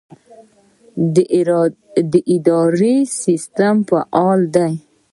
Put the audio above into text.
د رادار سیستم فعال دی؟